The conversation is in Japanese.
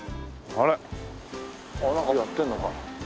あっなんかやってるのか。